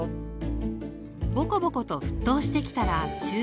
ボコボコと沸騰してきたら中火に落とします。